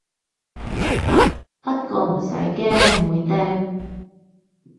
不過唔使驚，妹釘